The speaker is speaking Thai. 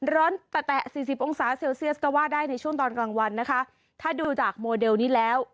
แตะสี่สิบองศาเซลเซียสก็ว่าได้ในช่วงตอนกลางวันนะคะถ้าดูจากโมเดลนี้แล้ว